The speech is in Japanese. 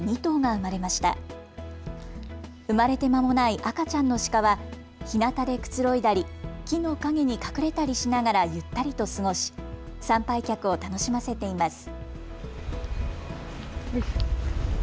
生まれてまもない赤ちゃんのシカは日なたでくつろいだり木の陰に隠れたりしながらゆったりと過ごし参拝客を楽しませています。